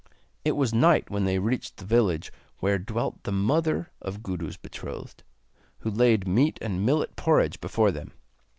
It was night when they reached the village where dwelt the mother of Gudu's betrothed, who laid meat and millet porridge before them.